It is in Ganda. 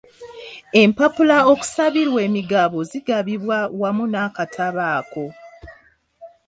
Empapula okusabirwa emigabo zigabibwa wamu n'akatabo ako.